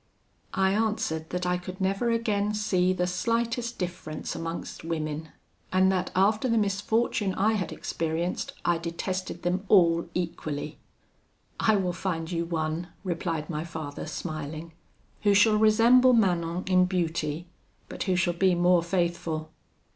"I answered that I could never again see the slightest difference amongst women, and that after the misfortune I had experienced, I detested them all equally. 'I will find you one,' replied my father, smiling, 'who shall resemble Manon in beauty, but who shall be more faithful.'